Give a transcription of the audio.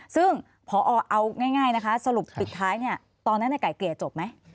ซึ่งพอเอาง่ายนะคะสรุปปิดท้ายตอนนั้นไก่เกลี่ยจบไหม